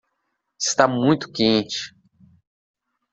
Está muito quente.